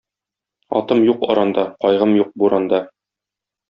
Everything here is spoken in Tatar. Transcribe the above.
Атым юк аранда - кайгым юк буранда.